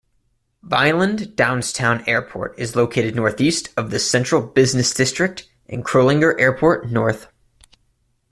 Vineland-Downstown Airport is located northeast of the central business district and Kroelinger Airport, north.